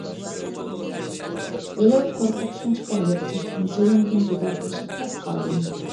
ھېلىلا قورقۇپ شۇنچە پەرياد چەكتىم، جېنىمدىن جۇدا بولۇشقا تاس قالدىم.